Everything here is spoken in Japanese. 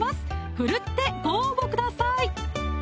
奮ってご応募ください